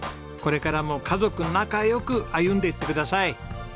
これからも家族仲良く歩んでいってください。